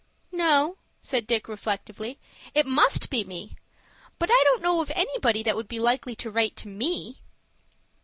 "No," said Dick, reflectively; "it must be me. But I don't know of anybody that would be likely to write to me."